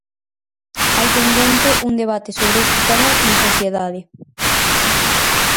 Hai pendente un debate sobre este tema na sociedade.